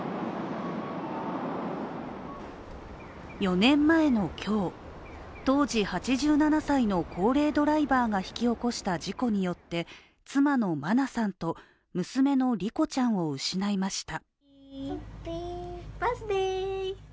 ４年前の今日、当時８７歳の高齢ドライバーが引き起こした事故によって、妻の真菜さんと娘の莉子ちゃんを失いました。